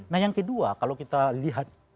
nah yang kedua kalau kita lihat